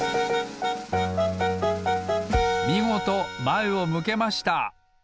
みごとまえを向けました！